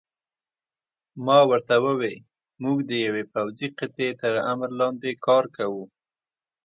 ما ورته وویل: موږ د یوې پوځي قطعې تر امر لاندې کار کوو.